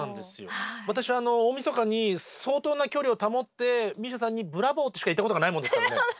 私は大みそかに相当な距離を保ってＭＩＳＩＡさんにブラボーとしか言ったことがないもんですからね。